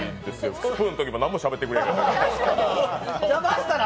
スプーンのときも何もしゃべってくれへんかったから。